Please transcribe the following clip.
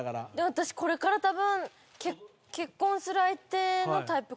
私、これから多分結婚する相手のタイプ